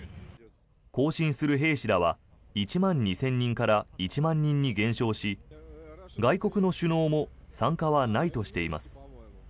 行進する兵士らは１万２０００人から１万人に減少し外国の首脳も参加はないとしています。